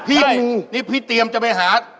พี่ปูนี่พี่เตรียมจะไปหา